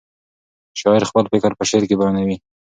شاعر خپل فکر په شعر کې بیانوي.